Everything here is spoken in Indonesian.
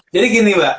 jadi gini mbak